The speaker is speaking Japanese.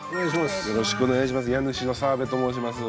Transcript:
よろしくお願いします